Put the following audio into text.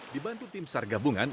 dibantu tim sargabungan